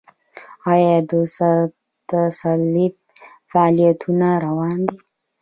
آیا د سره صلیب فعالیتونه روان دي؟